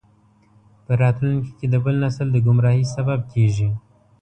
په راتلونکي کې د بل نسل د ګمراهۍ سبب کیږي.